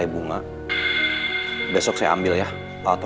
bisa gak untuk besok saya kembali ke ruangan saya